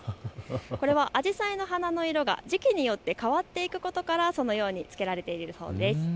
これはアジサイの花の色が時期によって変わっていくことからそのようにつけられているようです。